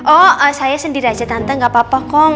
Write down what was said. oh saya sendiri aja tante gak apa apa kok